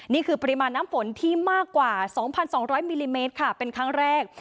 นี่คือปริมาณน้ำฝนที่มากกว่า๒๒๐๐มิลลิเมตรค่ะเป็นครั้งแรก